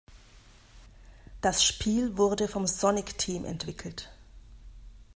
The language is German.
Das Spiel wurde vom Sonic Team entwickelt.